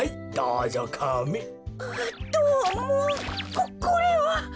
ここれは！